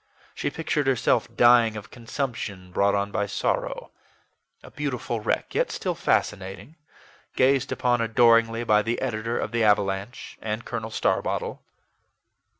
She pictured herself dying of consumption, brought on by sorrow a beautiful wreck, yet still fascinating, gazed upon adoringly by the editor of the AVALANCHE and Colonel Starbottle.